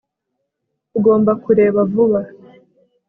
ugomba kureba vuba